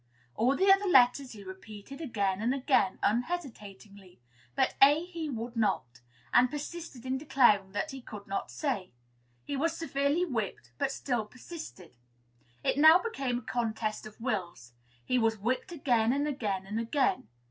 All the other letters he repeated again and again, unhesitatingly; but A he would not, and persisted in declaring that he could not say. He was severely whipped, but still persisted. It now became a contest of wills. He was whipped again and again and again.